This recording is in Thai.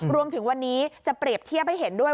รวมถึงวันนี้จะเปรียบเทียบให้เห็นด้วย